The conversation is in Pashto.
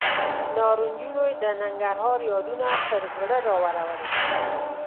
نارنجونو یې د ننګرهار یادونه پر زړه راورول.